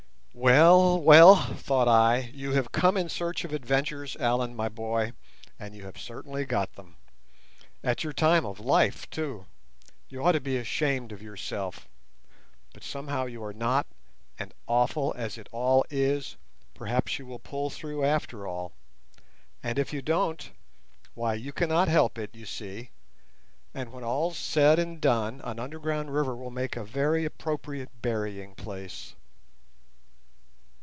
"Well, well," thought I, "you have come in search of adventures, Allan my boy, and you have certainly got them. At your time of life, too! You ought to be ashamed of yourself; but somehow you are not, and, awful as it all is, perhaps you will pull through after all; and if you don't, why, you cannot help it, you see! And when all's said and done an underground river will make a very appropriate burying place."